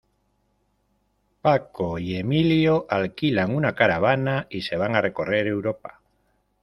Paco y Emilio alquilan una caravana y se van a recorrer Europa.